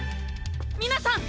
皆さん！